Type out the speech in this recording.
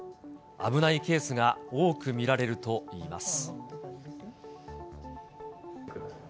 危ないケースが多く見られるといいます。